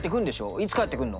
いつ帰ってくんの？